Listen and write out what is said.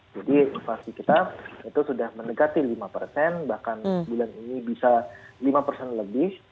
jadi inflasi kita itu sudah menekati lima persen bahkan bulan ini bisa lima persen lebih